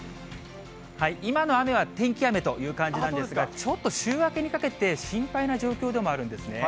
今の雨は天気雨という感じなんですが、ちょっと、週明けにかけて心配な状況でもあるんですね。